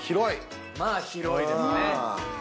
まあ、広いですね。